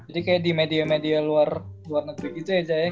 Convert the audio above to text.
jadi kayak di media media luar negeri gitu aja ya